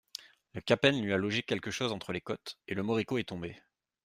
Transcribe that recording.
Le cap'n lui a logé quelque chose entre les côtes, et le moricaud est tombé.